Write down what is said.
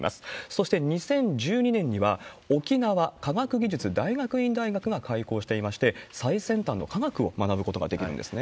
そして２０１２年には、沖縄科学技術大学院大学が開校していまして、最先端の科学を学ぶことができるんですね。